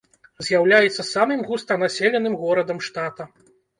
З'яўляецца самым густанаселеным горадам штата.